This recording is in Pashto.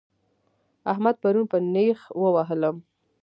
احمد پرون په نېښ ووهلم